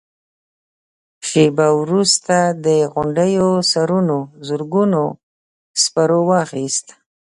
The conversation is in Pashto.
شېبه وروسته د غونډيو سرونو زرګونو سپرو واخيست.